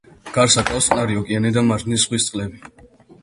გარს აკრავს წყნარი ოკეანისა და მარჯნის ზღვის წყლები.